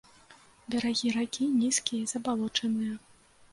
Берагі ракі нізкія і забалочаныя.